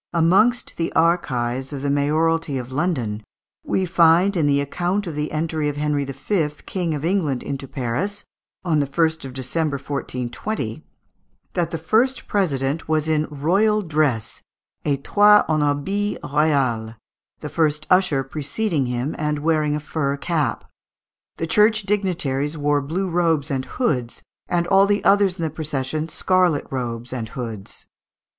Amongst the archives of the mayoralty of London, we find in the "account of the entry of Henry V., King of England, into Paris" (on the 1st of December, 1420), that "the first president was in royal dress (estoit en habit roial), the first usher preceding him, and wearing a fur cap; the church dignitaries wore blue robes and hoods, and all the others in the procession scarlet robes and hoods."